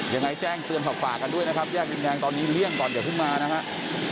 ยังไงแจ้งเตือนขอบฝากันด้วยนะครับแยกยิงแก๊งตอนนี้เลี่ยงตอนเดี๋ยวพึ่งมานะครับ